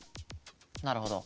なるほど。